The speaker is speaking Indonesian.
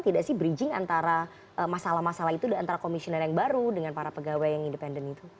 tidak sih bridging antara masalah masalah itu antara komisioner yang baru dengan para pegawai yang independen itu